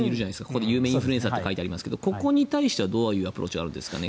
ここに有名インフルエンサーって書いてありますが、ここに対してどういうアプローチがあるんですかね。